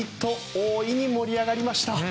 大いに盛り上がりました。